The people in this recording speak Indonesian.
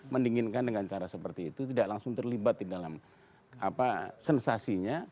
mendinginkan dengan cara seperti itu tidak langsung terlibat di dalam sensasinya